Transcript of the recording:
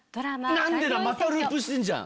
何で⁉またループしてるじゃん！